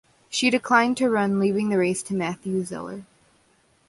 She declined to run, leaving the race to Matthew Zeller.